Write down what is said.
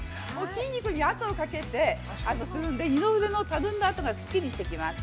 ◆筋肉に圧をかけて二の腕のたるんだあとが、すっきりしてきます。